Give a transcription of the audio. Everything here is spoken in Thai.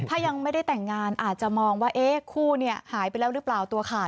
ถ้ายังไม่ได้แต่งงานอาจจะมองว่าคู่หายไปแล้วหรือเปล่าตัวขาด